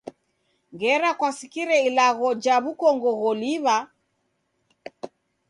Ngera kwasikire ilagho ja w'ukongo gholiw'a?